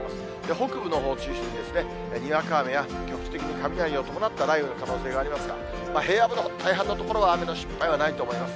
北部のほうを中心に、にわか雨や局地的に雷を伴った雷雨の可能性がありますが、平野部の大半の所は雨の心配はないと思います。